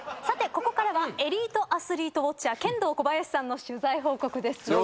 さてここからはエリートアスリートウォッチャーケンドーコバヤシさんの取材報告です。